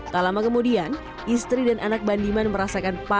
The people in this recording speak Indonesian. tak lama kemudian istri dan anak bandiman merasakan